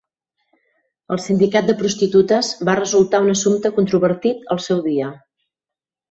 El sindicat de prostitutes va resultar un assumpte controvertit al seu dia